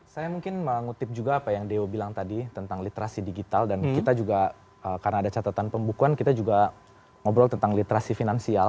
saya mungkin mengutip juga apa yang deo bilang tadi tentang literasi digital dan kita juga karena ada catatan pembukuan kita juga ngobrol tentang literasi finansial